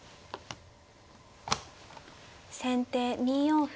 先手２四歩。